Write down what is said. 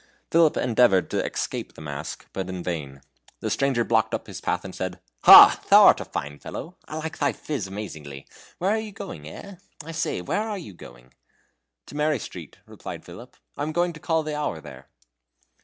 Philip endeavored to escape the mask, but in vain. The stranger blocked up his path and said: "Ha! thou art a fine fellow; I like thy phiz amazingly. Where are you going, eh? I say, where are you going?" "To Mary Street," replied Philip. "I am going to call the hour there."